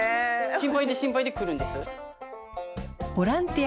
心配で心配で来るんです。